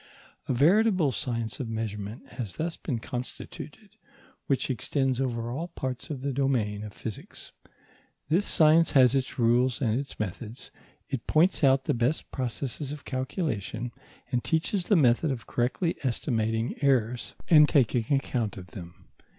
A veritable science of measurement has thus been constituted which extends over all parts of the domain of physics. This science has its rules and its methods; it points out the best processes of calculation, and teaches the method of correctly estimating errors and taking account of them.